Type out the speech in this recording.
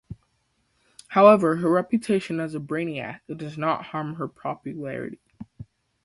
However, her reputation as "a brainiac" does not harm her popularity.